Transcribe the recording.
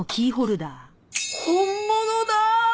本物だ！